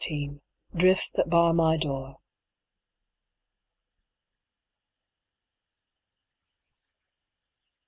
DRIFTS THAT BAR MY DOOR.